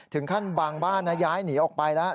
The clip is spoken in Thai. ถึงขั้นบางบ้านย้ายหนีออกไปแล้ว